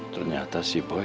ternyata si boy